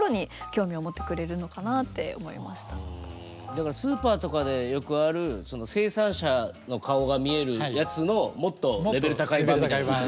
だからスーパーとかでよくある生産者の顔が見えるやつのもっとレベル高い版みたいな。